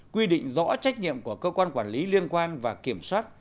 quy định rõ trách nhiệm của cơ quan quản lý liên quan và kiểm soát